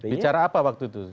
bicara apa waktu itu